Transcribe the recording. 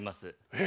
え？